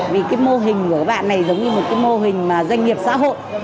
vì cái mô hình của các bạn này giống như một cái mô hình mà doanh nghiệp xã hội